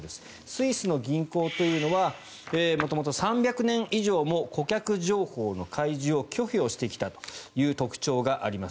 スイスの銀行というのは元々、３００年以上も顧客情報の開示を拒否をしてきたという特徴があります。